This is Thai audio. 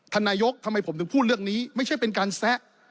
นายกทำไมผมถึงพูดเรื่องนี้ไม่ใช่เป็นการแซะ